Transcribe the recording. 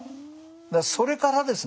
それからですね。